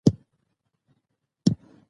شهادت يو ښه مقام دی چي هر چاته نه دی ټاکل سوی.